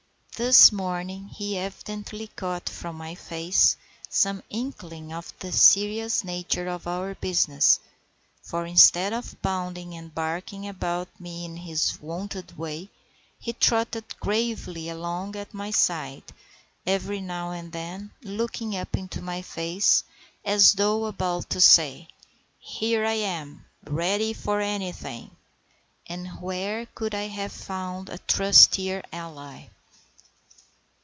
This morning he evidently caught from my face some inkling of the serious nature of our business, for instead of bounding and barking about me in his wonted way he trotted gravely along at my side, every now and then looking up into my face, as though about to say, "Here I am, ready for anything!" And where could I have found a trustier ally?